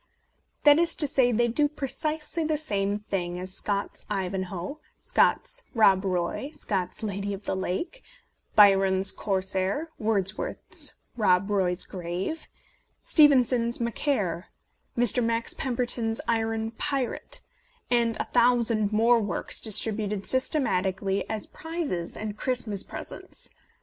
That is to say, they do precisely the same thing as Scott's " Ivanhoe," Scott's " Rob Roy," Scott's '' Lady of the Lake," Byron's Corsair," Wordsworth's '* Rob Roy's Grave," Stevenson's '' Macaire," Mr. Max Pemberton's " Iron Pirate," and a thousand more works distributed systematically as [8i] A Defence of Penny Dreadfuls prizes and Christmas presents.